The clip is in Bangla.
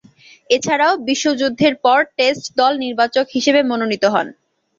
এছাড়াও, বিশ্বযুদ্ধের পর টেস্ট দল নির্বাচক হিসেবে মনোনীত হন।